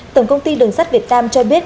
tổng công ty đường sắt việt nam cho biết